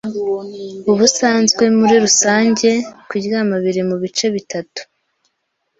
Ubusanzwe muri rusange kuryama biri mu bice bitatu.